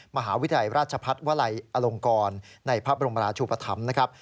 มหาวิทยาลัยราชพัฒน์วลัยอลงกรในพระบรมราชุปธรรมนะครับ